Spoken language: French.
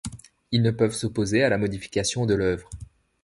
Ils ne peuvent s'opposer à la modification de l'œuvre.